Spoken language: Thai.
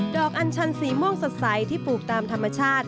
อัญชันสีม่วงสดใสที่ปลูกตามธรรมชาติ